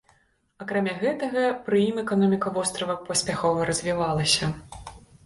Акрамя гэтага, пры ім эканоміка вострава паспяхова развівалася.